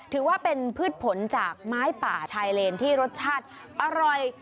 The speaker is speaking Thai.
ถือว่าเป็นพืชผลจากไม้ป่าชายเลนที่รสชาติอร่อย